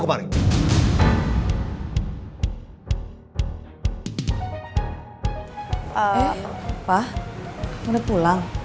eh pak kamu udah pulang